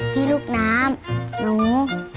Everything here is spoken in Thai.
พี่ลูกน้ำหนู